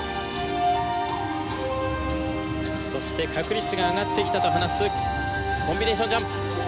そして確率が上がってきたと話すコンビネーションジャンプ。